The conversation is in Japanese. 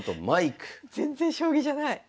全然将棋じゃない。